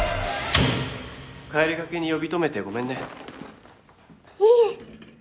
帰りがけに呼び止めてごめんねいいえ